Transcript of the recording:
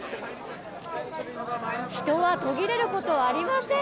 人が途切れることがありません。